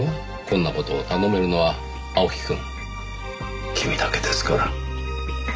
こんな事を頼めるのは青木くん君だけですから。